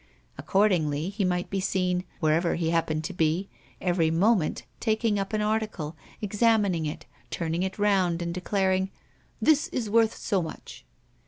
Accordingly, he might be seen, wherever he happened to be, every moment taking up an article, examining it, turning it round, and declaring: "This is worth so much."